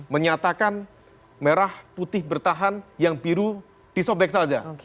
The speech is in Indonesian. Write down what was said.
menyatakan merah putih bertahan yang biru disobek saja